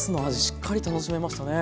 しっかり楽しめましたね。